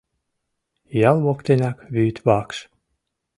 Ял воктенак вӱд вакш...